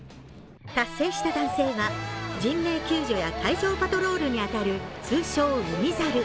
達成した男性は人命救助や海上パトロールに当たる通称・海猿。